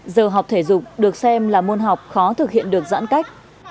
giờ học thể dục được xem là môn học khó thực hiện được giãn cách